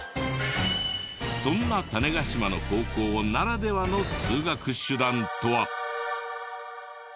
そんな種子島の高校ならではの通学手段とは。